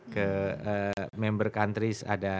ke member countries ada